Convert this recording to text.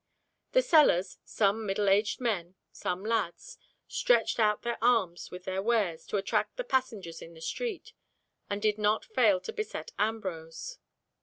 The sellers, some middle aged men, some lads, stretched out their arms with their wares to attract the passengers in the street, and did not fail to beset Ambrose.